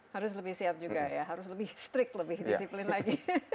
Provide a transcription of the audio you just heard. harus lebih siap juga ya harus lebih strict lebih disiplin lagi